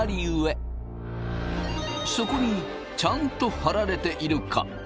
そこにちゃんと貼られているか